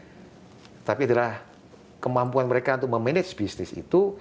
bukannya sekedar memberikan kurs dan sebagainya tapi adalah kemampuan mereka untuk memanage bisnis itu